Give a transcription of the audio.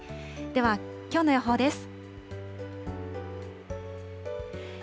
では、きょうの予報です。